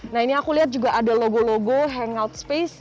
nah ini aku lihat juga ada logo logo hangout space